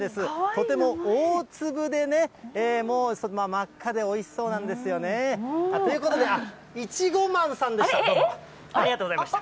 とても大粒でね、もう真っ赤でおいしそうなんですよね。ということで、あっ、ありがとうございました。